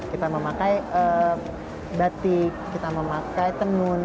kita memakai batik kita memakai tenun